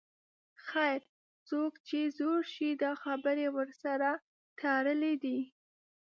خیر، څوک چې زوړ شي دا خبرې ورسره تړلې دي.